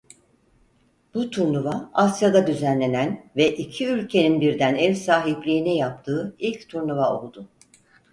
Bu turnuva Asya'da düzenlenen ve iki ülkenin birden ev sahipliğini yaptığı ilk turnuva oldu.